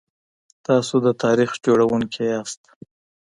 تاسو د تاريخ جوړونکي يئ.